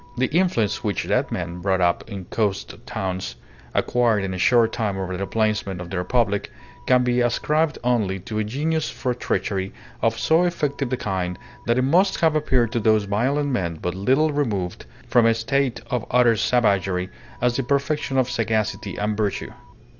The influence which that man, brought up in coast towns, acquired in a short time over the plainsmen of the Republic can be ascribed only to a genius for treachery of so effective a kind that it must have appeared to those violent men but little removed from a state of utter savagery, as the perfection of sagacity and virtue.